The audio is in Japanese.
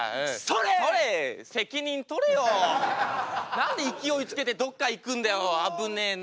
何で勢いつけてどこか行くんだよ危ねえな。